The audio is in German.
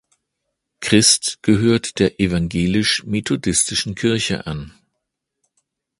Crist gehört der Evangelisch-methodistischen Kirche an.